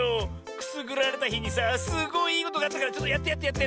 くすぐられたひにさすごいいいことがあったからやってやってやって！